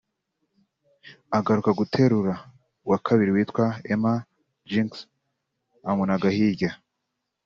agaruka guterura uwa kabiri witwa Emma Jenkins amunaga hirya